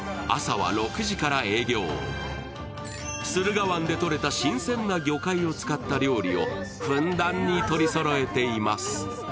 駿河湾でとれた新鮮な魚介を使った料理をふんだんに取りそろえています。